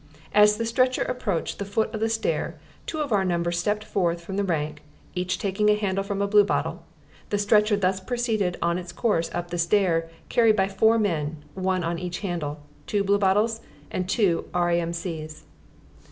As the stretcher approached the foot of the stair two of our number stepped forth from the rank, each taking a handle from a Bluebottle; the stretcher thus proceeded on its course up the stair carried by four men, one on each handle two Bluebottles and two R.A.M.C.'s.